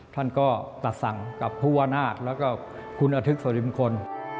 ท่านก็ตัดสั่งกับผู้ว่านาศแล้วก็คุณอธิกสริมคน